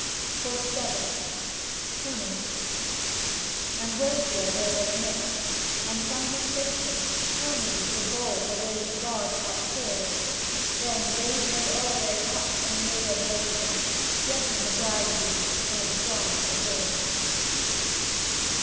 XLVII HERMES Ambrosia there was mixed, and from his station Hermes the bowl for waiting gods outpoured ; Then raised they all their cups and made oblation. Blessing the bridegroom (by the bride adored).